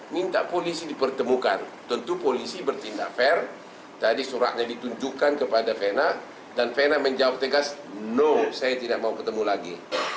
minta polisi dipertemukan tentu polisi bertindak fair tadi suratnya ditunjukkan kepada vena dan vena menjawab tegas no saya tidak mau ketemu lagi